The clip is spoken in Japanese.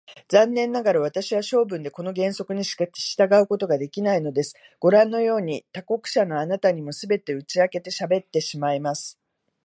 残念ながら、私は性分でこの原則に従うことができないのです。ごらんのように、他国者のあなたにも、すべて打ち明けてしゃべってしまいます。